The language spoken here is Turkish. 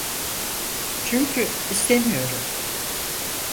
Çünkü istemiyorum.